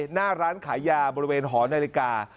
หน้าร้านขายยาบริเวณหอนาฬิกา